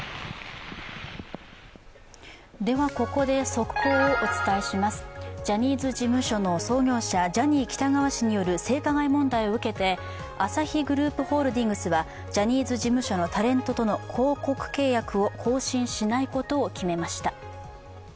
ではここで、速報をお伝えしますジャニーズ事務所の創業者ジャニー喜多川氏による性加害問題を受け手アサヒグループホールディングスはジャニーズ事務所のタレントとの広告契約を更新しないことを決めました。